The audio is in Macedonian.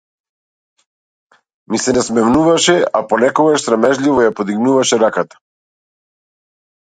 Ми се насмевнуваше, а понекогаш срамежливо ја подигнуваше раката.